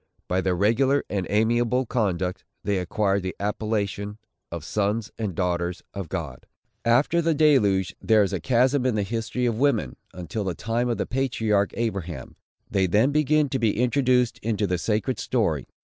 By their regular and amiable conduct, they acquired the appellation of Sons and Daughters of God. After the deluge there is a chasm in the history of women, until the time of the patriarch Abraham. They then begin to be introduced into the sacred story.